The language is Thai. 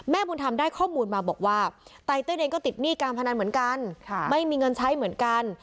บุญธรรมได้ข้อมูลมาบอกว่าไตเติลเองก็ติดหนี้การพนันเหมือนกันไม่มีเงินใช้เหมือนกัน